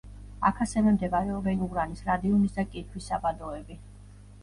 აქ ასევე მდებარეობენ ურანის, რადიუმის და კირქვის საბადოები.